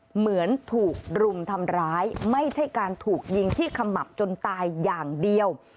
เหมือนถูกรุมทำร้ายไม่ใช่การถูกยิงที่ขมับจนตายอย่างเดียว